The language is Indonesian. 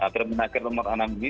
pemenangkir nomor enam ini